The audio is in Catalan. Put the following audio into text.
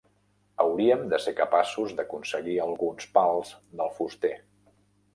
Hauríem de ser capaços d'aconseguir alguns pals del fuster